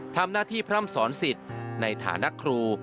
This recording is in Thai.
ทำหน้าที่พร่ำสอนสิทธิ์ในฐานะครู